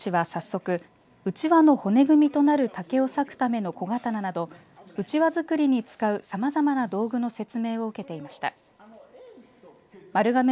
そして受講生たちは早速うちわの骨組みとなる竹を裂くための小刀などうちわ作りに使うさまざまな道具の説明を受けていました。